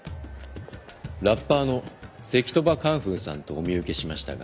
ラッパーの赤兎馬カンフーさんとお見受けしましたが。